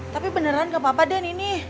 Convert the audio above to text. tapi beneran gak apa apa den ini